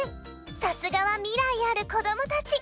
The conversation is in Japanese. さすがはみらいあるこどもたち！